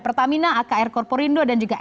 pertamina akr korporindo dan juga